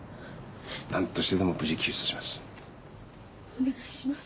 何としてでも無事に救出します。